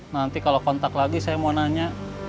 nanti kalau kontak lagi saya mau nanya